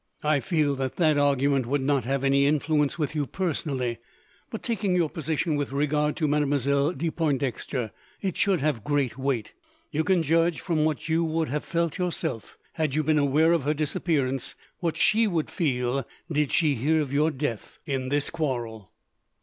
"I feel that that argument would not have any influence with you personally, but, taking your position with regard to Mademoiselle de Pointdexter, it should have great weight. You can judge, from what you would have felt yourself, had you been aware of her disappearance, what she would feel, did she hear of your death in this quarrel.